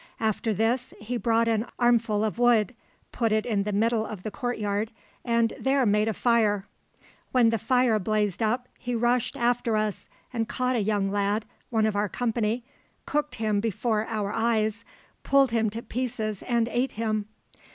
After this he brought an armful of wood, put it in the middle of the courtyard, and there made a fire. When the fire blazed up he rushed after us and caught a young lad, one of our company, cooked him before our eyes, pulled him to pieces and ate him.